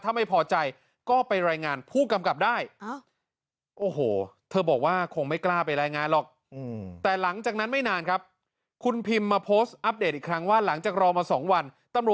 ถ้าไม่พอใจก็ไปรายงานผู้กำกับได้